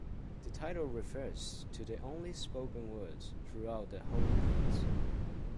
The title refers to the only spoken words throughout the whole piece.